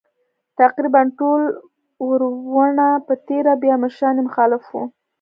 تقریباً ټول وروڼه په تېره بیا مشران یې مخالف وو.